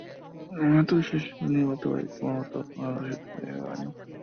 আমিও আত্মবিশ্বাস নিয়ে বলতে পারি, তোমার মত কারো সাথে কখনো দেখা হয়নি।